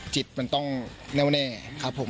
จิตมันต้องแน่วแน่ครับผม